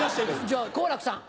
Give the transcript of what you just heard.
じゃあ好楽さん。